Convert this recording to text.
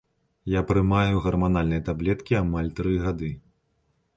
Я прымаю гарманальныя таблеткі амаль тры гады.